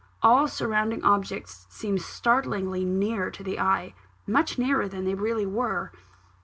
All surrounding objects seemed startlingly near to the eye; much nearer than they really were.